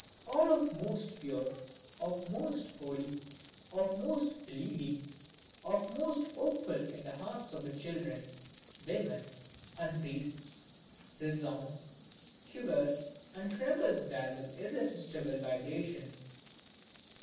All of most pure, of most holy, of most believing, of most hopeful in the hearts of children, women, and priests, resounds, quivers and trembles there with irresistible vibrations.